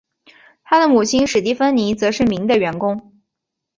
他的母亲史蒂芬妮则是名的员工。